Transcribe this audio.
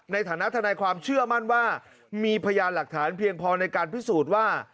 ในฐานะทนายความเชื่อมั่นว่ามีพยานหลักฐานเพียงพอในการพิสูจน์ว่า